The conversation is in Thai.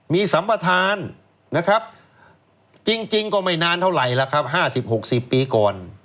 มีสัมประธานนะครับจริงก็ไม่นานเท่าไหร่แล้วครับ๕๐๖๐ปีก่อน